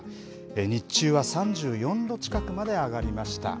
日中は３４度近くまで上がりました。